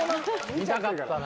見たかったな。